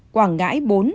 quảng ngãi bốn